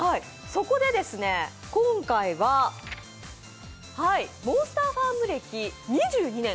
そこでですね、今回は「モンスターファーム」歴２２年